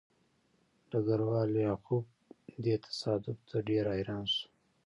ډګروال لیاخوف دې تصادف ته ډېر حیران شو